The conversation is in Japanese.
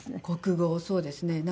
国語そうですね。